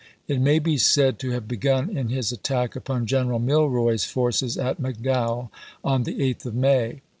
It may be said to have begun in his attack upon Greneral Milroy's forces at Mc 1862. Dowell on the 8th of May.